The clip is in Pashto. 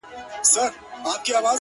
ما خو په دې ياغي وطن كي ياره.!